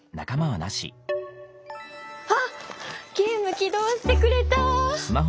あっゲーム起動してくれた！